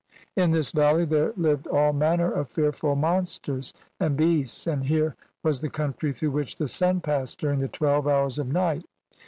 In this valley there lived all manner of fearful monsters and beasts, and here was the country through which the sun passed during the twelve hours of night.